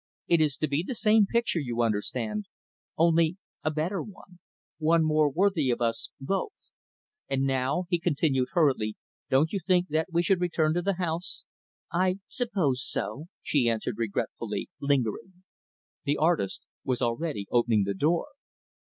It is to be the same picture, you understand, only a better one one more worthy of us, both. And now," he continued hurriedly "don't you think that we should return to the house?" "I suppose so," she answered regretfully lingering. The artist was already opening the door.